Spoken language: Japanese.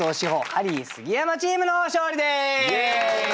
ハリー杉山チームの勝利です！